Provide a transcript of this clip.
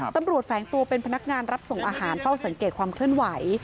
แฝงตัวเป็นพนักงานรับส่งอาหารเฝ้าสังเกตความเคลื่อนไหว